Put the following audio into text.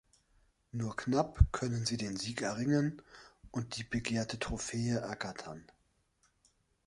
Nur knapp können sie den Sieg erringen und die begehrte Trophäe ergattern.